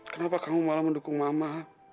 kenapa kamu malah mendukung mama